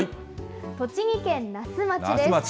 栃木県那須町です。